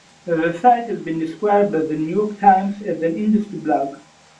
The site has been described by "The New York Times" as an industry blog.